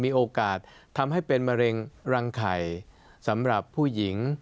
โอกาสทำให้เป็นมะเร็งรังไข่สำหรับผู้หญิง